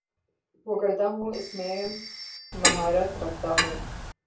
وہ کرتا ہوں اس میں مہارت رکھتا ہوں